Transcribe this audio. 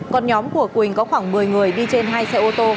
còn nhóm của quỳnh có khoảng một mươi người đi trên hai xe ô tô